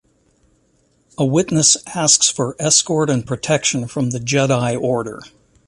A witness asks for escort and protection from the Jedi Order.